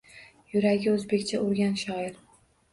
Yuragi o‘zbekcha urgan shoir